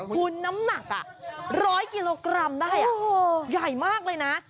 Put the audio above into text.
คุณน้ำหนัก๑๐๐กิโลกรัมได้ใหญ่มากเลยนะ